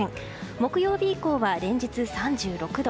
木曜日以降は連日３６度。